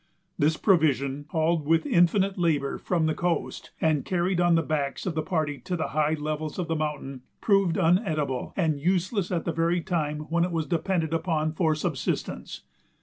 This provision, hauled with infinite labor from the coast, and carried on the backs of the party to the high levels of the mountain, proved uneatable and useless at the very time when it was depended upon for subsistence.